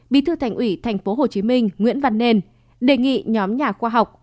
bí thư thành ủy tp hcm nguyễn văn nên đề nghị nhóm nhà khoa học